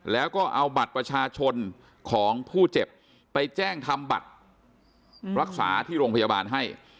แล้วก็เอาบัตรประชาชนของผู้เจ็บไปแจ้งทำบัตรรักษาที่โรงพยาบาลให้